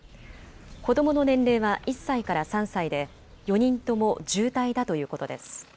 子どもの年齢は１歳から３歳で４人とも重体だということです。